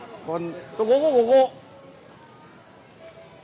そうここここ！